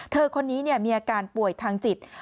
เธอคนนี้เนี่ยมีอาการป่วยทางจิต